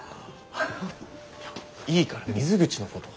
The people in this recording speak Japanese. いいから水口のこと。